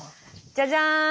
じゃじゃーん！